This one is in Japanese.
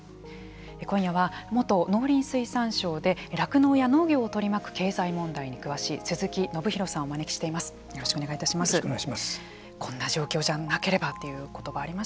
今夜は元農林水産省で酪農や農業を取り巻く経済問題に詳しい鈴木宣弘さんをお招きしています。